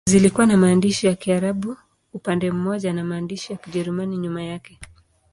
Zilikuwa na maandishi ya Kiarabu upande mmoja na maandishi ya Kijerumani nyuma yake.